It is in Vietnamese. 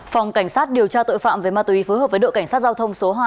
phòng cảnh sát điều tra tội phạm về ma túy phối hợp với đội cảnh sát giao thông số hai